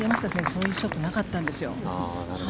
そういうショットなかったんですよ。